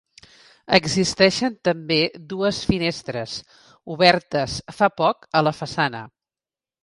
Existeixen també, dues finestres obertes, fa poc, a la façana.